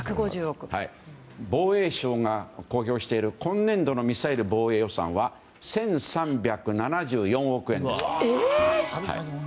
防衛省が公表している今年度のミサイル防衛予算は１３７４億円です。